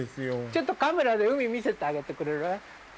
ちょっとカメラで海見せてあげてくれる？